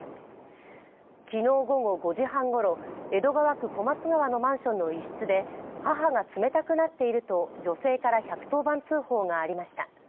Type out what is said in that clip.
昨日午後５時半ごろ、江戸川区小松川のマンションの一室で母が冷たくなっていると女性から１１０番通報がありました。